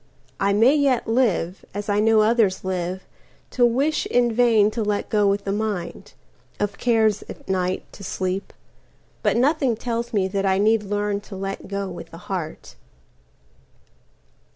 I may yet live, as I know others live, To wish in vain to let go with the mind—Of cares, at night, to sleep; but nothing tells meThat I need learn to let go with the heart.